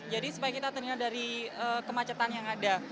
jadi supaya kita ternyata dari kemacetan yang ada